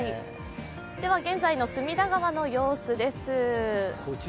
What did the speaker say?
現在の隅田川の様子です。